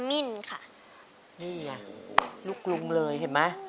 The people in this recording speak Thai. นี่ไงลูกลุงเลยเห็นไหม